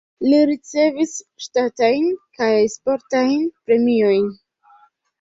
Li ricevis ŝtatajn kaj sportajn premiojn.